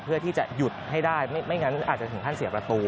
เพื่อที่จะหยุดให้ได้ไม่งั้นอาจจะถึงขั้นเสียประตู